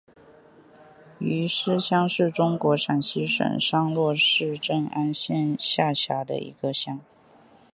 余师乡是中国陕西省商洛市镇安县下辖的一个乡。